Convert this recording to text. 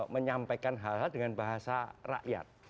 menyampaikan hal hal dengan bahasa rakyat